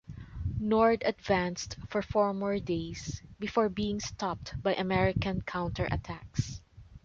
Nord advanced for four more days before being stopped by American counterattacks.